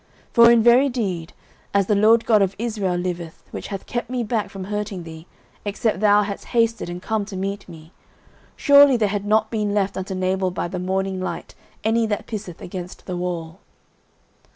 09:025:034 For in very deed, as the LORD God of Israel liveth, which hath kept me back from hurting thee, except thou hadst hasted and come to meet me, surely there had not been left unto Nabal by the morning light any that pisseth against the wall.